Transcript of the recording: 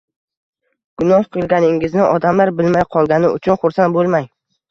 Gunoh qilganingizni odamlar bilmay qolgani uchun xursand bo‘lmang.